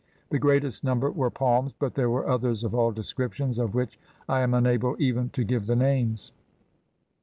The greatest number were palms, but there were others of all descriptions, of which I am unable even to give the names.